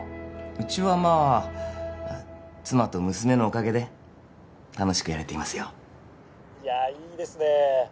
うちはまあ妻と娘のおかげで楽しくやれていますよいやいいですねえ